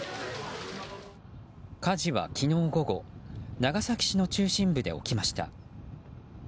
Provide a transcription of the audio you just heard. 火事は昨日午後長崎市の中心部で起きました。